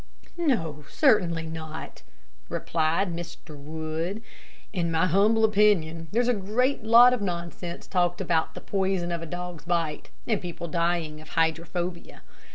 "No, certainly not," replied Mr. Wood. "In my humble opinion there's a great lot of nonsense talked about the poison of a dog's bite and people dying of hydrophobia.